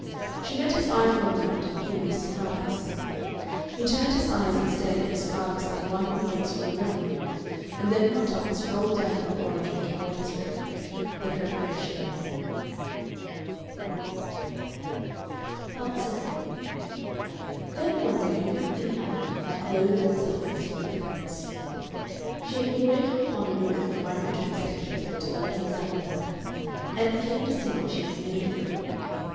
She met his eye for a moment in curious surprise. He turned his eyes and stared at Miss Garvice like one who wakes from a reverie, and then got up and strolled down the laboratory toward his refuge, the preparation room. Part 7 Then one day a little thing happened that clothed itself in significance. She had been working upon a ribbon of microtome sections of the developing salamander, and he came to see what she had made of them.